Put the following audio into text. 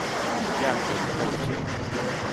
ยากจนก็ไม่เชิง